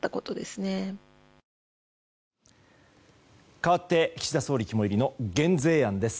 かわって岸田総理肝いりの減税案です。